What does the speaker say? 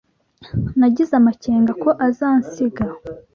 Nagize amakenga ko azansiga.